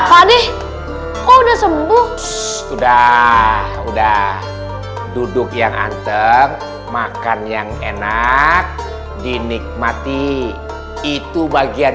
padeh kok udah sembuh udah udah duduk yang anteng makan yang enak dinikmati itu bagian